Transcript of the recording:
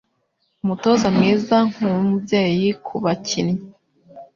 Umutoza mwiza ni nkumubyeyi kubakinnyi.